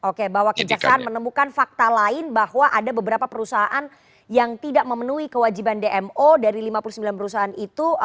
oke bahwa kejaksaan menemukan fakta lain bahwa ada beberapa perusahaan yang tidak memenuhi kewajiban dmo dari lima puluh sembilan perusahaan itu